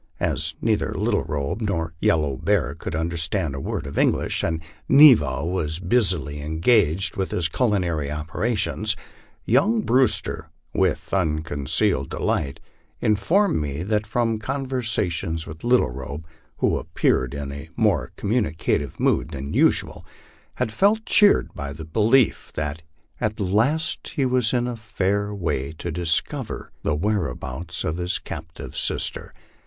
As neither Little Robe nor Yellow Bear could understand a word of English, and Neva was busily engaged with his culinary operations, young Brewster, with unconcealed delight, informed me that from conversations with Little Robe, who appeared in a more communicative mood than usual, he felt cheered by the belief that at last he was in a fair way to discover the where abouts of his captive sister.